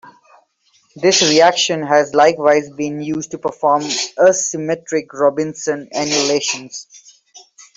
This reaction has likewise been used to perform asymmetric Robinson annulations.